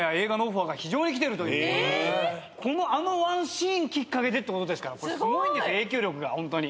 あのワンシーンきっかけでってことですからすごいんです影響力がホントに。